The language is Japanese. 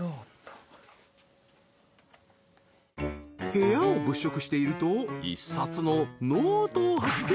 ［部屋を物色していると１冊のノートを発見！］